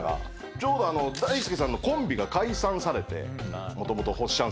ちょうど大輔さんのコンビが解散されて元々ほっしゃん。